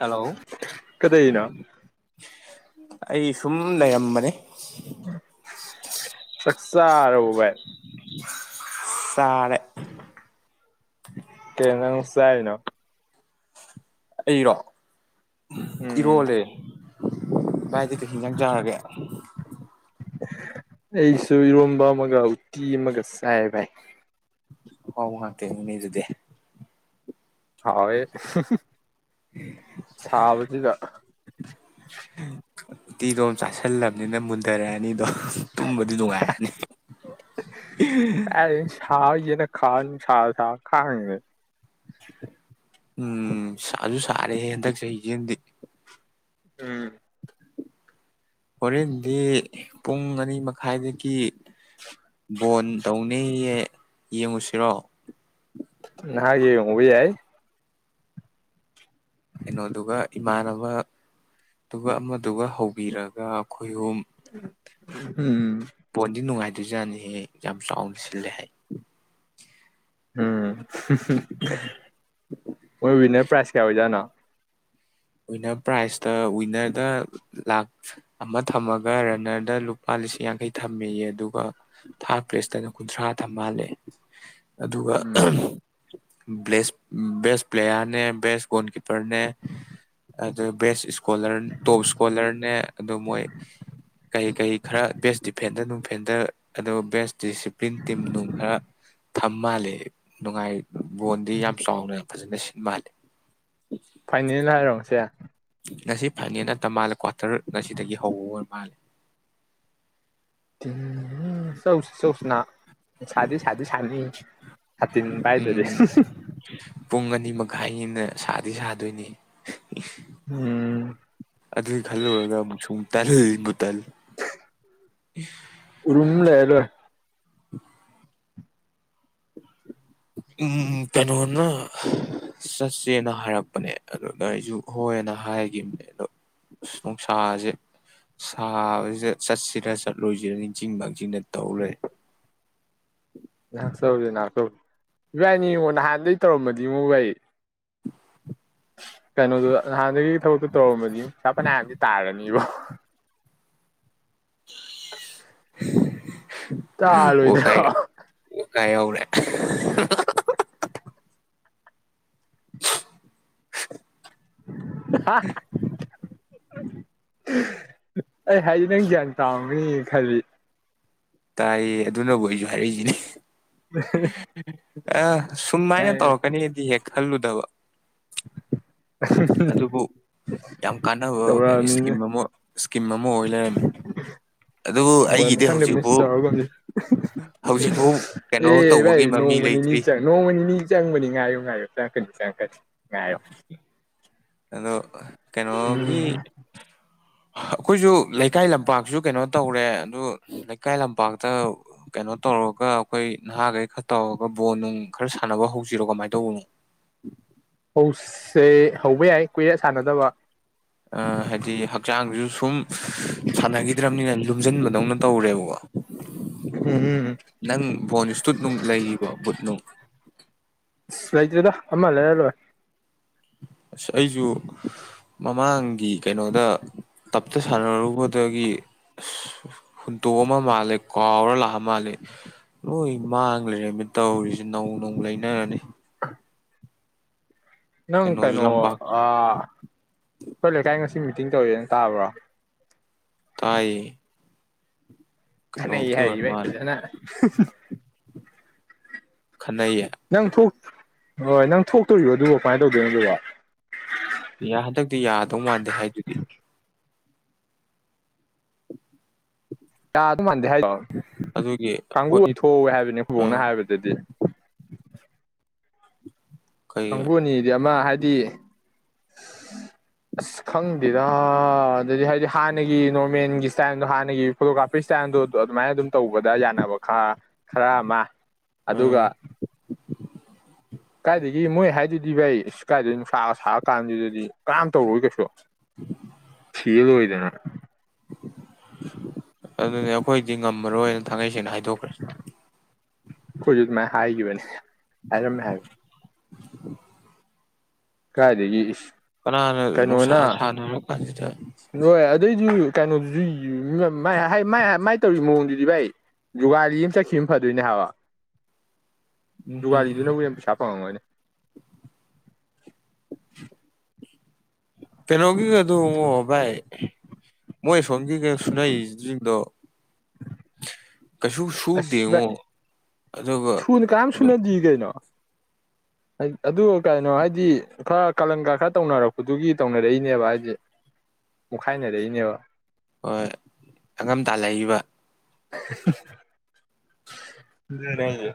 Hello ꯀꯗꯩꯅꯣ ꯑꯩ ꯁꯨꯝ ꯂꯩꯔꯝꯕꯅꯤ ꯆꯁꯥꯔꯣꯚꯥꯏ ꯇꯔꯦ [inaudible] ꯦ ꯅꯪꯁ ꯍꯥꯏꯅꯣ ꯑꯩꯔꯣ ꯎꯝ ꯏꯔꯕꯣꯂꯦ ꯚꯥꯏꯗꯤ ꯀꯩ ꯌꯥꯪꯖꯔꯒꯦ ꯑꯩꯁꯨ ꯏꯔꯣꯝꯕ ꯑꯃꯒ ꯎꯇꯤ ꯑꯃꯒ ꯆꯥꯏ ꯚꯥꯏ ꯍ ꯋꯥꯇ ꯎ ꯑꯗꯨꯗꯤ ꯍꯥꯎꯦ ꯁꯥꯕꯁꯤꯗ ꯎꯇꯤꯗꯣ ꯑꯃꯝ ꯆꯥꯥꯁꯜꯂꯕꯅꯤꯅ ꯃꯨꯟꯊꯔꯛꯑꯅꯤꯗꯣ ꯇꯨꯝꯕꯗꯤ ꯅꯨꯡꯉꯥꯏꯔꯅꯤ ꯅ ꯈ ꯊ ꯈꯥꯦ ꯎꯝ ꯁꯥꯁꯨ ꯁꯥꯔꯦꯍꯦ ꯍꯟꯗꯛ ꯆꯍꯤ ꯏꯁꯦꯗꯤ ꯎꯝ ꯍꯣꯔꯦꯟꯗꯤ ꯄꯨꯡ ꯑꯅꯤ ꯃꯈꯥꯏꯗꯒꯤ ꯕꯣꯟ ꯇꯧꯅꯩꯌꯦ ꯌꯦꯡꯉꯨꯁꯤꯔꯣ ꯅꯒꯤꯦ ꯎꯕꯤ ꯍꯥꯏꯏ ꯀꯩꯅꯣꯗꯨꯒ ꯏꯃꯥꯟꯅꯕꯗꯨꯒ ꯑꯃꯗꯨꯒ ꯍꯧꯕꯤꯔꯒ ꯈꯍꯣꯝ ꯍꯝ ꯄꯣꯟꯗꯤ ꯅꯨꯡꯉꯥꯏ ꯗꯤꯖꯥꯏꯟꯁꯤꯦ ꯌꯥꯝ ꯆꯥꯎꯅ ꯁꯤꯜꯂꯦ ꯍꯥꯏ ꯎꯝ ꯃꯣꯏ ꯋꯤꯟꯅꯔ ꯄ꯭ꯔꯥꯏꯖ ꯀꯌꯥ ꯑꯣꯏꯖꯥꯠꯅꯣ ꯤꯟꯅꯔ ꯄ꯭ꯔꯥꯏꯖꯇ ꯋꯤꯟꯅꯔꯗ ꯂꯥꯛ ꯑꯃ ꯊꯝꯃꯒ ꯔꯟꯅꯔꯗ ꯂꯨꯄꯥ ꯂꯤꯁꯤꯡ ꯌꯥꯡꯈꯩ ꯊꯝꯃꯦꯌꯦ ꯑꯗꯨꯒ ꯊꯥ ꯄ꯭ꯂꯦꯁꯇꯅ ꯀꯨꯟꯊ꯭ꯔꯥ ꯊꯝꯍꯜꯂꯦ ꯑꯗꯨꯒ ꯎꯝ ꯦꯁ ꯦꯁ ꯄ꯭ꯂꯦꯌꯔꯅꯦ ꯦꯁ ꯣꯜꯀꯤꯄꯔꯅꯦ ꯑꯗꯨ ꯕꯦꯁ ꯏꯁꯀꯣꯂꯔ ꯇꯣꯞ ꯏꯁꯀꯣꯂꯔꯅꯦ ꯑꯗꯨ ꯃꯣꯏ ꯀꯩꯀꯩ ꯈꯔ ꯕꯦꯁ ꯗꯤꯐꯦꯟꯗꯔ ꯅꯨꯡ ꯐꯦꯟꯗꯔ ꯑꯗꯨ ꯕꯦꯁ ꯗꯤꯁꯤꯄ꯭ꯂꯤꯟ ꯇꯤꯝ ꯅꯨꯡ ꯈꯔ ꯊꯝ ꯃꯥꯜꯜꯂꯤꯦ ꯅꯨꯡꯉꯥꯏ ꯕꯣꯟꯗꯤ ꯌꯥꯝ ꯆꯥꯎꯅ ꯌꯥꯝ ꯐꯖꯅ ꯁꯤ ꯃꯥꯅꯦ ꯐꯥꯏꯅꯦꯜ ꯍꯥꯏꯔꯣꯁꯦ ꯉꯁꯤ ꯐꯥꯏꯅꯦꯜ ꯅꯠꯇ ꯃꯥꯜꯂꯦ ꯀ꯭ꯋꯥꯇꯔ ꯉꯁꯤꯗꯒꯤ ꯍꯧꯕ ꯑꯣꯏ ꯃꯥꯜꯂꯦ ꯍꯝ ꯎꯝ ꯆꯧꯁꯤ ꯆꯧꯁꯤꯅ ꯁꯥꯗꯣꯏ ꯁꯥꯗꯣꯏ ꯁꯥꯥꯟꯅ ꯍꯥꯅ ꯄꯥꯏ ꯇꯔꯦ ꯈꯥꯏꯉꯅ ꯁꯥꯗꯤ ꯁꯥꯗꯣꯏꯅꯤ ꯎꯝ ꯑꯗꯨ ꯈꯜꯒ ꯁꯨꯝ ꯇꯜ ꯏꯕꯨ ꯇꯜ ꯎ ꯎꯔꯝ ꯂꯩꯔ ꯎꯝ ꯀꯩꯅꯣꯅ ꯆꯠꯁꯦꯅ ꯍꯥꯏꯔꯛꯄꯅꯦ ꯑꯗꯨꯗ ꯑꯩꯁꯨ ꯍꯣꯏꯅ ꯍꯥꯏꯈꯤꯕꯅꯦ ꯑꯗꯣ ꯁꯅꯨꯡꯁꯥꯁꯦ ꯁꯥ ꯆꯠꯁꯤꯔ ꯆꯠꯂꯣꯏꯁꯤꯔ ꯅꯤꯡꯁꯤꯡꯤꯡꯕꯁꯤꯡꯤꯡꯅ ꯇꯧꯔꯦ ꯉꯥꯛꯆꯧꯔꯤꯦ ꯉꯥꯛꯆꯧꯔꯤꯦ ꯏꯕꯥꯏꯅꯤ ꯌꯦꯡꯉꯣ ꯅꯍꯥꯟꯩ ꯇꯧꯔꯃꯗꯤ ꯏꯉꯣ ꯚꯥꯏ [inaudible] ꯀꯩꯅꯣ ꯑꯗꯨ ꯍꯗꯒꯤ ꯊꯕꯛꯇꯣ ꯇꯧꯔꯝꯃꯅꯤ ꯄꯄꯅꯥꯝꯗꯤ ꯇꯥꯔꯅꯤꯕ ꯑꯣ ꯀꯥꯏ ꯇꯥꯔꯣꯏꯗ꯭ꯔꯣ ꯑꯣ ꯀꯥꯏ ꯑꯧꯔ [inaudible] [inaudible] ꯑꯩ ꯍꯥꯏꯗꯤ ꯅꯪ ꯒ꯭ꯌꯥꯟ ꯇꯥꯅꯤ ꯈꯜꯂꯤ ꯇꯥꯏꯌꯦ ꯑꯗꯨꯅꯕꯨ ꯑꯩꯁꯨ ꯍꯥꯏꯔꯛꯏꯁꯤꯅꯤ ꯑ ꯁꯨꯃꯥꯏꯅ ꯑꯩ ꯇꯧꯔꯛꯀꯅꯤꯗꯤ ꯍꯦꯛ ꯈꯜꯂꯨꯗꯕ ꯑꯗꯨꯕꯨ ꯌꯥꯝ ꯀꯥꯟꯅꯕ ꯀ ꯇꯧꯔꯛꯑꯕꯅꯤꯅ ꯏꯁꯀꯤꯝ ꯑꯃ ꯏꯁꯀꯤꯝ ꯑꯃ ꯑꯣꯏ ꯂꯩꯔꯝꯃꯤ ꯑꯗꯨꯕꯨ ꯍꯣꯏ ꯑꯩꯒꯤꯗꯤ ꯃꯊꯪꯗ ꯍꯧꯖꯤꯛ ꯃꯤꯁ ꯀꯩꯅꯣ ꯑꯦ ꯇꯧꯕꯒꯤ ꯚꯥꯏ ꯃꯃꯤ ꯅꯣꯡꯃ ꯅꯤꯅꯤ ꯂꯩꯇ꯭ꯔꯤ ꯆ ꯅꯣꯡꯃꯅꯤ ꯅꯤꯅꯤ ꯆꯪꯕꯅꯤ ꯉꯥꯏꯌꯨ ꯉꯥꯏꯌꯨ ꯆꯪꯉꯛꯀꯅꯤ ꯆꯪꯉꯛꯀꯅꯤ ꯉꯥꯏꯌꯣ ꯑꯗꯣ ꯀꯩꯅꯣꯒꯤ ꯑꯩꯈꯣꯏꯁꯨ ꯂꯩꯀꯥꯏ ꯂꯝꯄꯥꯛꯁꯨ ꯀꯩꯅꯣ ꯇꯧꯔꯦ ꯑꯗꯨ ꯂꯩꯀꯥꯏ ꯂꯝꯄꯥꯛꯇ ꯀꯩꯅꯣ ꯇꯧꯔꯒ ꯑꯩꯈꯣꯏ ꯅꯍꯥꯈꯩ ꯈꯔ ꯇꯧꯔꯒ ꯕꯣꯟ ꯅꯨꯡ ꯈꯔ ꯁꯥꯟꯅꯕ ꯍꯧꯁꯤꯔꯣ ꯀꯃꯥꯏꯅ ꯇꯧꯕꯅꯣ ꯍꯧꯁꯦ ꯍꯧꯕ ꯌꯥꯏ ꯀꯨꯏꯔꯦ ꯁꯥꯟꯅꯗꯕ ꯑ ꯍꯥꯏꯗꯤ ꯍꯛꯆꯥꯡꯁꯨ ꯁꯨꯝ ꯁꯥꯟꯅꯈꯤꯗ꯭ꯔꯕꯅꯤꯅ ꯂꯨꯝꯁꯤꯟꯕꯗꯧꯅ ꯇꯧꯔꯦꯕꯀꯣ ꯎꯝ ꯅꯪ ꯕꯣꯜ ꯁꯇꯨꯠ ꯅꯨꯡ ꯂꯩꯈꯤꯕꯣ ꯕꯨꯠ ꯅꯨꯡ ꯂꯩꯇ꯭ꯔꯤꯗ ꯑꯃ ꯂꯩꯔ ꯂꯣꯏꯔꯦ ꯑꯁ ꯑꯩꯁꯨ ꯃꯃꯥꯡꯒꯤ ꯀꯩꯅꯣꯗ ꯇꯞꯇ ꯁꯥꯟꯅꯔꯨꯕꯗꯒꯤ ꯑꯁ ꯍꯨꯟꯇꯣꯛ ꯑꯃ ꯃꯥꯜꯂꯦ ꯀꯥꯎꯔ ꯂꯥꯛꯑ ꯃꯥꯜꯂꯦ ꯂꯣꯏ ꯃꯥꯡ ꯂꯩꯔꯝꯃꯤ ꯇꯧꯔꯤꯁꯦ ꯅꯧꯅ ꯑꯃꯨꯛ ꯂꯩꯅꯔꯅꯤ ꯅꯪ ꯀꯩꯅꯣꯁꯨ ꯀꯩꯅꯣ ꯂꯝꯄꯥꯛꯁꯨ ꯑ ꯑꯈꯣꯏ ꯂꯩꯀꯥꯏ ꯉꯁꯤ ꯃꯤꯇꯤꯡ ꯇꯧꯋꯦꯅ ꯇꯥꯕ꯭ꯔꯣ ꯇꯥꯏ ꯈꯠꯅꯩ ꯍꯥꯏꯔꯤꯌꯦ ꯏꯚꯥꯏ ꯃꯥꯜꯂꯦ ꯐꯖꯅ [inaudible] ꯈꯠꯅꯩꯌꯦ ꯅꯪ ꯊꯣꯛ ꯍꯣꯏ ꯅꯪ ꯊꯣꯛꯇꯣꯔꯤꯕꯣ ꯑꯗꯨꯕꯣ ꯀꯃꯥꯏꯅ ꯇꯧꯗꯣꯏꯅꯣ ꯑꯗꯨꯕꯣ ꯍꯟꯗꯛꯇꯤ ꯌꯥꯗꯧ ꯃꯥꯟꯗꯦ ꯍꯥꯏꯗꯨꯗꯤ ꯌꯥꯗꯧ ꯃꯥꯟꯗꯦ ꯍꯥꯏꯗꯔꯣ ꯑꯗꯨꯒꯤ ꯀꯥꯡꯕꯨ ꯍꯣꯏ ꯑꯃ ꯊꯣꯛꯍꯧꯋꯦ ꯍꯥꯏꯕꯅꯤ ꯈꯨꯕꯣꯛꯅ ꯑꯥ ꯍꯥꯏꯕꯗꯗꯤ [inaudible] ꯀꯩ ꯀꯥꯡꯕꯨ ꯑꯃ ꯍꯥꯏ ꯗꯤ ꯑꯁ ꯈꯪꯗꯦꯗ ꯑꯗꯨꯗꯤ ꯍꯥꯏꯗꯤ ꯍꯥꯟꯅꯒꯤ ꯅꯣꯔꯃꯦꯜꯒꯤ ꯏꯁꯇꯥꯏꯜꯗꯣ ꯍꯥꯟꯅꯒꯤ ꯐꯣꯇꯣꯒ꯭ꯔꯥꯐꯤ ꯏꯁꯇꯥꯏꯜꯗꯣ ꯑꯗꯨꯃꯥꯏꯅ ꯑꯗꯨꯝ ꯇꯧꯕꯗ ꯌꯥꯅꯕ ꯈ ꯈꯔ ꯑꯃ ꯎꯝ ꯑꯗꯨꯒ ꯏ ꯃꯣꯏ ꯍꯥꯏꯗꯨꯗꯤ ꯚꯥꯏ ꯁꯤ ꯀꯥꯏꯗ ꯅꯨꯡꯁꯥꯒ ꯁꯥꯔ ꯀꯥꯟꯗꯨꯗꯗꯤ ꯀꯅꯥꯝ ꯇꯧꯔꯣꯏ ꯀꯩꯁꯨ ꯁꯤꯜ ꯑꯣꯏ ꯗꯅ [inaudible] ꯑꯗꯨꯅꯦ ꯑꯩꯈꯣꯏꯗꯤ ꯉꯝꯃꯔꯣꯏ ꯊꯥꯡꯒꯩ ꯁꯦꯡꯅ ꯍꯥꯏꯗꯣꯛꯈ꯭ꯔꯦ ꯀꯣꯏ ꯃ ꯍꯥꯏ ꯍꯥꯏꯒꯤꯕꯅꯤ ꯑꯔꯝ ꯍꯥꯏꯔ ꯀꯥꯏꯗꯦ ꯏ ꯀꯅꯥꯅ ꯅꯨꯡꯁꯥ ꯁꯥꯅ ꯀꯥꯟꯁꯤꯗ ꯍꯣꯏ ꯑꯗꯨꯏꯁꯨ ꯀꯩꯅꯣꯗꯨꯁꯨ ꯃꯥꯏ ꯇꯧꯔꯤꯕ ꯃꯑꯣꯡꯗꯨꯗꯤ ꯚꯥꯏ ꯖꯨꯒꯥꯂꯤ ꯑꯃ ꯆꯠꯈꯤꯕ ꯑꯃ ꯐꯗꯣꯏꯅꯦ ꯍꯥꯏꯕ ꯎꯝ ꯎꯝ ꯖꯒꯥꯗꯨꯅꯕꯨ ꯌꯥꯝ ꯄꯩꯁꯥ ꯐꯪꯉꯝꯃꯣꯏꯅꯦ [inaudible] [inaudible] ꯄꯩꯅꯣꯒꯤ ꯀ ꯑꯗꯨꯉ ꯥꯏ ꯃꯣꯏ ꯁꯒꯤꯀ ꯁꯅꯥꯏꯗꯣ ꯑꯁꯚ ꯑꯗꯨꯒ ꯁꯨꯅ ꯀꯔꯝ ꯑꯗꯨꯝ ꯁꯨꯅꯗꯤ ꯀꯩꯅꯣ ꯑꯗꯨ ꯀꯩꯅꯣ ꯍꯥꯏꯗꯤ ꯈꯔ ꯀꯥꯂꯪꯒꯥ ꯈꯔ ꯇꯧꯅꯔꯛꯄꯗꯨꯒꯤ ꯇꯧꯅꯔꯛꯏꯅꯦꯕ ꯍꯥꯏꯗꯤ ꯃꯨꯛꯈꯥꯏꯅꯔꯛꯏꯅꯦꯕ ꯍꯣꯏ ꯑꯉꯝꯇꯥꯂꯛꯏꯕ ꯂꯩꯔ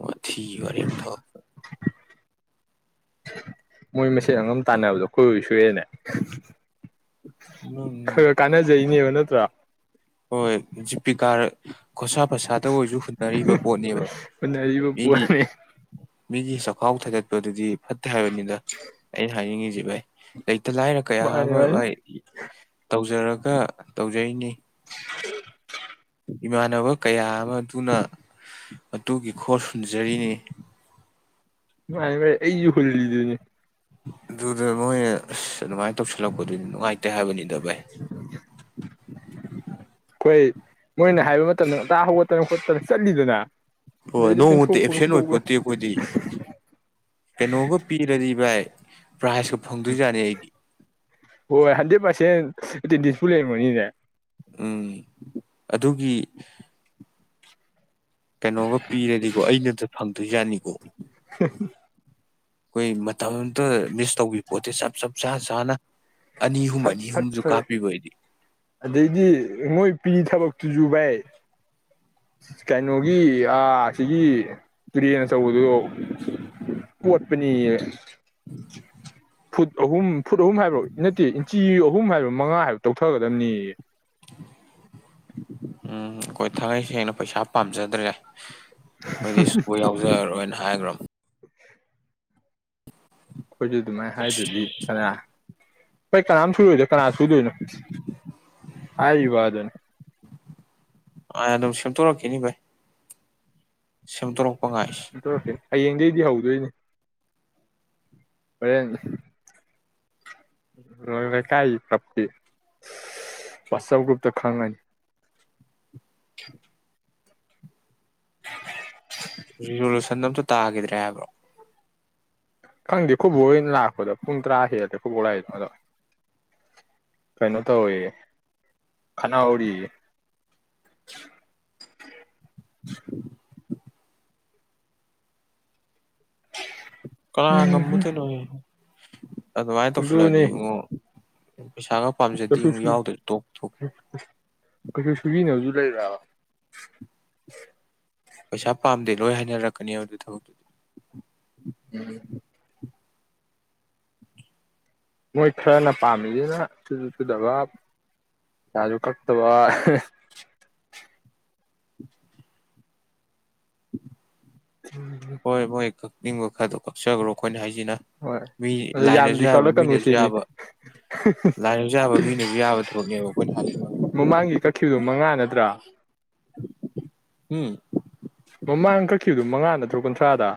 ꯃ ꯊ ꯋꯥꯔꯤꯝ ꯊ ꯃꯣꯏ ꯃꯁꯦꯟ ꯑꯉꯝ ꯇꯥꯟꯅꯕꯗꯣ ꯀꯣꯏ ꯁꯨꯨꯔꯦꯅꯦ ꯎꯝ ꯈꯔ ꯀꯥꯟꯅꯖꯩꯅꯦꯕ ꯅꯠꯇ꯭ꯔꯥ ꯍꯣꯏ ꯖꯤꯄꯤꯀꯥ ꯈꯣꯁꯥ ꯄꯁꯥꯗ ꯑꯣꯏꯁꯨ ꯍꯨꯟꯅꯔꯤꯕ ꯄꯣꯠꯅꯦꯕ ꯍꯨꯟꯅꯔꯤꯕ ꯃꯤꯒꯤ ꯄꯣꯠꯅꯤ ꯃꯤꯒꯤ ꯆꯈꯥꯎ ꯊꯥꯒꯠꯄꯗꯨꯗꯤ ꯐꯠꯇꯦ ꯍꯥꯏꯕꯅꯤꯗ ꯑꯩꯅ ꯍꯥꯏꯅꯤꯡꯉꯁꯤ ꯚꯥꯏ ꯂꯥꯏꯔ ꯀꯌꯥ ꯃꯥꯅꯤ ꯑꯃ ꯃꯥꯅꯤ ꯇꯧꯖ ꯐꯖꯔꯒ ꯇꯧꯖꯩꯅꯤ ꯍ ꯏꯃꯥꯟꯅꯕ ꯀꯌꯥ ꯑꯃ ꯑꯗꯨꯅ ꯑꯗꯨꯒꯤ ꯈꯣꯜ ꯍꯨꯟꯖꯔꯤꯅꯤ ꯃꯥ ꯑꯩꯁꯨ ꯈꯣꯜꯂꯤ ꯂꯗꯅꯦ ꯗ ꯃꯍ ꯑꯗꯨꯃꯥꯏꯅ ꯇꯧꯁꯤꯜꯂꯛꯄꯗꯨ ꯅꯨꯡꯉꯥꯏꯇꯦ ꯍꯥꯏꯕꯅꯤꯗ ꯚꯥꯏ ꯀꯣꯏ ꯃꯣꯏꯅ ꯍꯥꯏꯕ ꯃꯇꯝꯗ ꯆꯥ ꯍꯧꯒꯠꯇꯅ ꯈꯣꯠꯇꯅ ꯆꯠꯂꯤꯗꯅ ꯍꯣꯏ ꯑꯗꯩꯗꯤ ꯅꯣꯡꯃꯨꯇꯤ ꯄꯦꯟꯊꯣꯛꯄ ꯑꯦꯞꯁꯦꯟ ꯑꯣꯏ ꯈꯣꯠꯇꯣꯛꯄ ꯄꯣꯠꯇꯦ ꯑꯩꯈꯣꯏꯗꯤ ꯀꯩꯅꯣꯒ ꯄꯤꯔꯗꯤ ꯚꯥꯏ ꯄ꯭ꯔꯥꯏꯖꯀ ꯐꯪꯗꯣꯏꯖꯥꯠꯅꯤ ꯑꯩꯗꯤ ꯍꯣꯏ ꯍꯟꯗ꯭ꯔꯦꯠ ꯄꯥꯔꯁꯦꯟ ꯗꯤꯁꯄꯨ ꯂꯩꯔꯝꯃꯅꯤꯅꯦ ꯎꯝ ꯑꯗꯨꯒꯤ ꯀꯩꯅꯣꯒ ꯄꯤꯔꯗꯤꯀꯣ ꯑꯩꯅꯗ ꯐꯪꯗꯣꯏ ꯌꯥꯅꯤꯀꯣ ꯑꯩꯣꯏ ꯃ ꯃꯤ ꯇꯧꯈꯤꯕ ꯄꯣꯠꯇꯁꯦ ꯆꯞ ꯆꯥꯞ ꯆꯥ ꯆꯥꯅ ꯑꯅꯤ ꯑꯍꯨꯝ ꯁꯠ ꯑꯅꯤ ꯁꯠ ꯑꯍꯨꯝꯁꯨ ꯀꯥꯞꯄꯤꯕ ꯑꯩꯗꯤ ꯑꯗꯩꯗꯤ ꯃꯣꯏ ꯄꯤ ꯊꯕꯛꯇꯨꯁꯨꯨ ꯚꯥꯏ ꯀꯩꯅꯣꯒꯤ ꯁꯤꯒꯤ ꯇꯨꯔꯦꯟ ꯑꯆꯧꯕꯗꯨꯣ ꯀꯣꯠꯄꯅꯤꯌꯦ ꯐꯨꯠ ꯑꯍꯨꯝ ꯐꯨꯠ ꯑꯍꯨꯝ ꯍꯥꯏꯕ꯭ꯔꯣ ꯏ ꯅꯠꯇꯦ ꯏꯟꯆꯤ ꯄꯍꯨꯝ ꯍꯥꯏꯕ ꯃꯉꯥ ꯍꯥꯏꯕ ꯇꯧꯊꯒꯗꯕꯅꯤꯌꯦ ꯎꯝ ꯑꯩꯈꯣꯏ ꯊꯥꯡꯏ ꯁꯦꯡꯅ ꯄꯩꯁꯥ ꯄꯥꯝꯖꯗ꯭ꯔꯦ ꯑꯩꯈꯣꯏꯗꯤ ꯁꯄ ꯌꯥꯎꯖꯔꯔꯣꯏꯅ ꯍꯥꯏꯈ꯭ꯔꯣ ꯑꯩꯈꯣꯏꯁꯨ ꯑꯗꯨꯃꯥꯏꯅ ꯍꯥꯏꯗꯨꯗꯤ ꯐꯔ ꯄꯩ ꯀꯅꯥꯝ ꯁꯨ ꯂꯑꯣꯗ ꯀꯅꯥ ꯁꯨꯗꯣꯏꯅ ꯍꯥꯏꯔꯤ ꯋꯥꯗ ꯑꯗꯨꯅꯤ ꯑꯩ ꯑꯗꯨꯝ ꯁꯦꯝꯠꯇꯣꯔꯛꯀꯦꯅꯤ ꯚꯩ ꯁꯦꯝꯗꯣꯔꯛꯄ ꯉꯥꯏ ꯍꯌꯦꯡꯗꯒꯤꯗꯤ ꯍꯧꯗꯣꯏꯅꯤ ꯍꯣꯔꯦꯟ ꯂꯩꯀꯥꯏꯒꯤ ꯀ꯭ꯂꯞꯀꯤꯤ ꯋꯥꯆꯞ ꯒ꯭ꯔꯨꯞꯇ ꯈꯪꯉꯅꯤ [inaudible] ꯔꯤꯖꯣꯂꯨꯁꯟ ꯑꯝꯇ ꯇꯥꯈꯤꯗ꯭ꯔꯦ ꯍꯥꯏꯕ꯭ꯔꯣ ꯈꯪꯗꯦ ꯈꯨꯕꯣꯏ ꯂꯥꯛꯄꯗꯣ ꯄꯨꯡ ꯇꯔꯥ ꯍꯦꯜꯂꯂꯦ ꯈꯨꯕꯂꯥꯏꯗꯣ ꯑꯗꯣ ꯀꯩꯅꯣ ꯇꯧꯋꯦ ꯈꯅꯥꯎꯔꯤ ꯀꯥ ꯉꯃꯨ ꯎꯝ ꯊ ꯂꯣꯏꯦ ꯑꯗꯋꯥꯏꯣ ꯐꯂꯗꯤ ꯑꯗꯨꯅꯦ ꯁ ꯄꯥꯝꯖꯗꯦ ꯑꯃꯨꯛ ꯌꯥꯎꯗ꯭ꯔꯦ ꯇꯣꯛꯞ ꯇꯣꯛ ꯀꯁꯨ ꯁꯨꯕꯤꯅꯦ ꯍꯧꯖ ꯂꯩ ꯄꯩꯁꯥ ꯄꯥꯝꯗꯦ ꯂꯣꯏ ꯍꯥꯏꯅꯔꯛꯀꯅꯤ ꯑꯗꯨ ꯊꯕꯛꯇꯨꯗꯤ ꯎꯝ ꯃꯣꯏ ꯈꯔꯅ ꯄꯥꯝꯃꯤꯁꯤꯅ ꯁꯨꯁꯨ ꯁꯨꯗꯕ ꯄꯩꯁꯥꯁꯨ ꯀꯛꯇꯕ ꯎꯝ ꯍꯣꯏ ꯍꯣꯏ ꯅꯤꯡꯕ ꯈꯔꯣ ꯀꯞꯆꯈ꯭ꯔꯣ ꯑꯩꯈꯣꯏꯅ ꯍꯥꯏ ꯍꯣꯏ ꯑꯗꯨꯣ ꯌꯥꯝꯗꯤ ꯀꯥꯎꯂꯛꯀꯅꯨ ꯃꯤꯅꯁꯨ ꯁꯤꯅꯤ ꯌꯥꯕ ꯂꯥꯏꯔꯤꯛꯁꯨ ꯌꯥꯕ ꯃꯤꯅꯁꯨ ꯌꯥꯕ ꯊꯕꯛꯅꯦꯕ ꯑꯩꯈꯣꯏꯅ ꯍꯥꯏꯔꯤꯕ ꯃꯃꯥꯡꯒꯤ ꯐꯗꯨ ꯃꯉꯥ ꯅꯠꯇ꯭ꯔꯥ ꯎꯝ ꯃꯃꯥꯡ ꯀꯛꯈꯤꯕꯗꯨ ꯃꯉꯥ ꯅꯠꯇ꯭ꯔꯣ ꯀꯨꯟꯊ꯭ꯔꯥꯗ꯫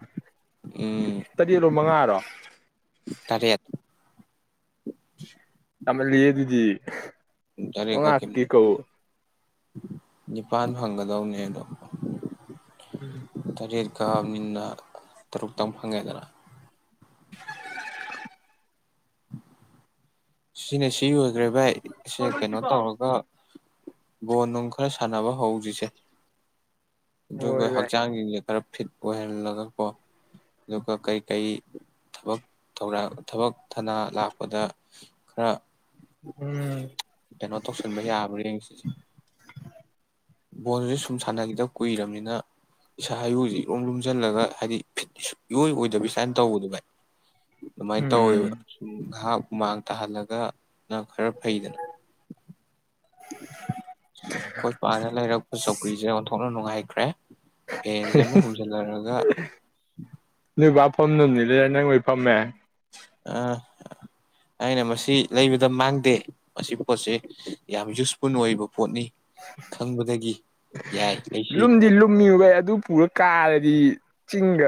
ꯎꯝ ꯇꯔꯦꯠꯔꯣ ꯃꯉꯥꯔꯣ ꯇꯔꯦꯠ ꯌꯥꯝꯃꯜꯂꯦꯍꯦ ꯑꯗꯨꯗꯤ ꯇꯔꯦꯠ ꯃꯉꯥ ꯀꯛꯈꯤꯅꯦ ꯈꯛꯀꯤ ꯀꯧ ꯅꯤꯄꯥꯟ ꯐꯪꯒꯗꯧꯅꯦ ꯑꯗꯣ ꯎꯝ ꯀꯛꯑꯅꯤꯅ ꯇꯔꯨꯛꯇꯪ ꯐꯪꯉꯦꯗꯅ꯫ ꯁꯤꯅ ꯁꯤ ꯑꯣꯏꯈ꯭ꯔꯦ ꯚꯥꯏ ꯁꯦ ꯀꯩꯅꯣ ꯇꯧꯔꯒ ꯕꯣꯜꯅꯨꯡ ꯈꯔ ꯁꯥꯟꯅꯕ ꯍꯧꯖꯤꯁꯦ ꯑꯗꯨꯒ ꯍꯣꯏ ꯚꯥꯏ ꯍꯛꯆꯥꯡꯁꯤꯡꯁꯦ ꯈꯔ ꯐꯤꯠ ꯑꯣꯏꯍꯜꯂꯒꯀꯣ ꯑꯗꯨꯒ ꯀꯩꯀꯩ ꯊꯕꯛ ꯊꯧ ꯊꯕꯛ ꯊꯅꯥ ꯂꯥꯛꯄꯗ ꯈꯔ ꯎꯝ ꯀꯩꯅꯣ ꯇꯧꯁꯤꯟꯕ ꯌꯥꯕ꯭ꯔꯥ ꯌꯦꯡꯁꯤꯁꯦ ꯕꯣꯜꯁꯦ ꯁꯨꯝ ꯁꯥꯟꯅꯈꯤꯗ ꯀꯨꯏꯔꯕꯅꯤꯅ ꯏꯁꯥ ꯏꯌꯨꯁꯦ ꯏꯔꯨꯝ ꯂꯨꯝꯁꯤꯜꯂꯒ ꯍꯥꯏꯗꯤ ꯐꯤꯠ ꯏꯑꯣꯏ ꯑꯣꯏꯗꯕꯤ ꯏꯁꯇꯥꯜ ꯇꯧꯕꯗꯣ ꯚꯥꯏ꯫ ꯑꯗꯨꯃꯥꯏꯅ ꯎꯝ ꯇꯧꯋꯦꯕ ꯁꯨꯝ ꯉꯥꯏꯍꯛ ꯍꯨꯃꯥꯡ ꯇꯥꯍꯜꯂꯒ ꯅ ꯈꯔ ꯐꯩꯗꯅ ꯑꯩꯈꯣꯏ ꯄꯥꯅ ꯂꯩꯔꯛꯄ ꯆꯧꯀ꯭ꯔꯤꯁꯦ ꯑꯣꯟꯊꯣꯛꯅ ꯅꯨꯡꯉꯥꯏꯈ꯭ꯔꯦ ꯐꯦꯟꯁꯦ ꯑꯃ ꯍꯨꯝꯖꯤꯜꯂꯔꯒ꯫ [unintelligible] ꯂꯣꯏ ꯐꯝꯃꯦ ꯑꯥ ꯑꯩꯅ ꯃꯁꯤ ꯂꯩꯕꯗ ꯃꯥꯡꯗꯦ ꯃꯁꯤ ꯄꯣꯠꯁꯦ ꯌꯥꯝ ꯌꯨꯁꯐꯨꯜ ꯑꯣꯏꯕ ꯄꯣꯠ ꯌꯥꯏ ꯂꯩꯁꯤ ꯂꯨꯝꯗꯤ ꯂꯨꯝꯃꯤꯕ ꯑꯗꯨ ꯄꯨꯔ ꯀꯥꯔꯗꯤ ꯆꯤꯡꯒ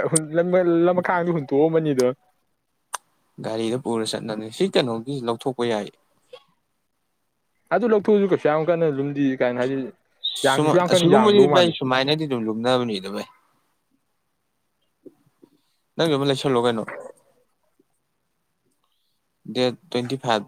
ꯂꯝꯈꯥꯡꯗ ꯍꯨꯟꯇꯣꯛꯑꯃꯅꯤ ꯗ ꯒꯥꯔꯤꯗ ꯄꯨꯔ ꯆꯠꯅꯕꯅꯤ ꯁꯤ ꯀꯩꯅꯣꯒꯤ ꯂꯧꯊꯣꯛꯄ ꯌꯥꯏ ꯑꯗꯨ ꯂꯧꯊꯣꯛꯎꯁꯨ ꯀꯩꯁꯨ ꯌꯥꯝ ꯀꯟꯅ ꯂꯨꯝꯗꯤ ꯀꯥꯏꯅ ꯍꯥꯏ ꯁꯨꯃ ꯑꯁꯤꯒꯨꯝꯕꯗꯤ ꯁꯨꯃꯥꯏꯅꯗꯤ ꯑꯗꯨꯝ ꯂꯨꯝꯅꯕꯅꯤꯗ ꯚꯥꯢ ꯅꯪꯁꯨ ꯑꯃ ꯂꯩꯁꯥꯜ ꯂꯣꯀꯩꯅꯣ ꯗꯦꯠ ꯇ꯭ꯋꯦꯟꯇꯤ ꯐꯥꯏꯚ